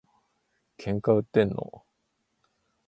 喧嘩売ってんの？